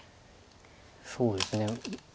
そうですね。